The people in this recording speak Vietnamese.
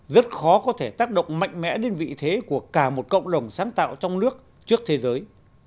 rất khó có thể tác động mạnh mẽ đến vị thế của cả một cộng đồng sáng tạo trong nước trước thế giới